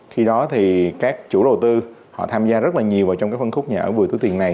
khi đó thì các chủ đầu tư họ tham gia rất nhiều vào trong phân khúc nhà ở vừa thứ tiền này